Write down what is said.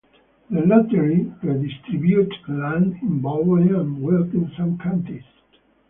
The lottery redistributed land in Baldwin and Wilkinson counties.